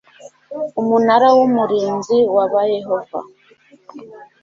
Umunara w Umurinzi wa ba yehova